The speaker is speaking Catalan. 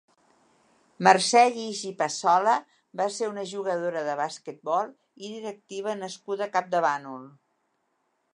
Mercè Guix i Passola va ser una jugadora de basquetbol i directiva nascuda a Campdevànol.